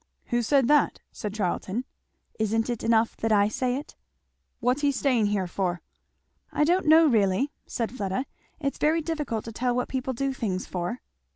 '" "Who said that?" said Charlton. "Isn't it enough that I say it?" "What's he staying here for?" "I don't know really," said Fleda. "It's very difficult to tell what people do things for."